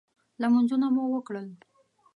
لمنځونه مو وکړل.